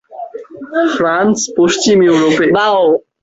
France পশ্চিম ইউরোপে।